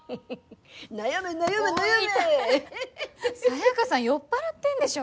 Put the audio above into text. サヤカさん酔っ払ってんでしょ！